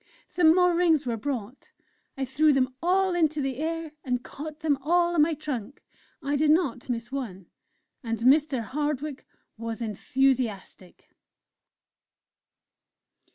Some more Rings were brought; I threw them all into the air and caught them all on my trunk, I did not miss one. And Mr. Hardwick was enthusiastic.